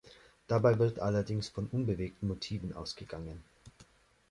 Dabei wird allerdings von unbewegten Motiven ausgegangen.